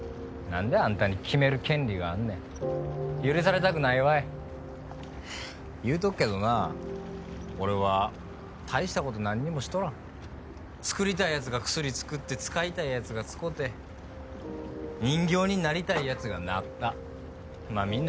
何であんたに決める権利があんねん許されたくないわい言うとくけどな俺は大したこと何にもしとらん作りたいヤツがクスリ作って使いたいヤツが使て人形になりたいヤツがなったま